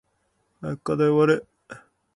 早く課題終われ